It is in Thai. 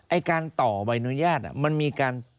ไอ้การต่อบรรยายนุญาตมันมีการ